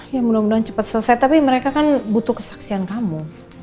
ya mudah mudahan cepat selesai tapi mereka kan butuh kesaksian kamu